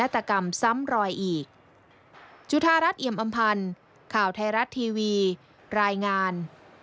ไทรัสทีวีรายงาน